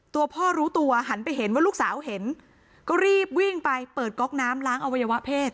ตัวพ่อรู้ตัวหันไปเห็นว่าลูกสาวเห็นก็รีบวิ่งไปเปิดก๊อกน้ำล้างอวัยวะเพศ